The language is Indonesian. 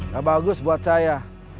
gak bagus buat saya